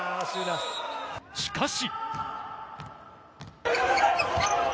しかし。